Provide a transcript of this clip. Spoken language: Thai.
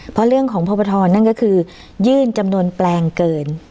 เพราะเรื่องของพบทรนั่นก็คือยื่นจำนวนแปลงเกิน